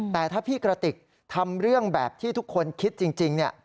แต่ถ้าพี่กระติกทำเรื่องแบบที่ทุกคนคิดจริงเนี่ย